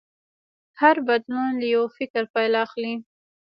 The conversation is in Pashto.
هر بدلون له یو فکر پیل اخلي.